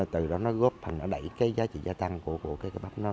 từ đó nó góp thành nó đẩy cái giá trị gia tăng của cái bắp nó